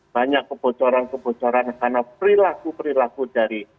banyak kebocoran kebocoran karena perilaku perilaku dari